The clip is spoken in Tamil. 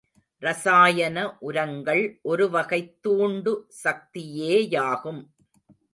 ரசாயன உரங்கள் ஒருவகைத்தூண்டு சக்தியேயாகும்.